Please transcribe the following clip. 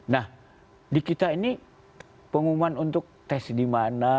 nah di kita ini pengumuman untuk tes di mana